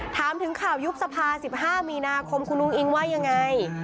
ถามถึงข่าวยุบสภา๑๕มีนาคมคุณอุ้งอิงว่ายังไง